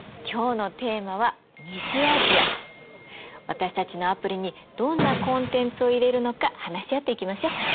私たちのアプリにどんなコンテンツを入れるのか話し合っていきましょう。